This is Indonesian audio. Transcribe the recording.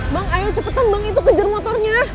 bang ayo cepetan bang itu kejar motornya